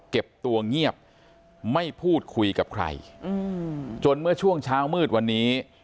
เก็บตัวเงียบไม่พูดคุยกับใครจนเมื่อช่วงเช้ามืดวันนี้